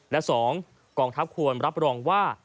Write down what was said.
และ๒กองทัพควรรับรองว่า